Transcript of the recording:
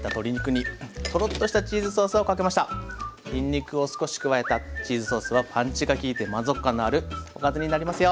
にんにくを少し加えたチーズソースはパンチが利いて満足感のあるおかずになりますよ！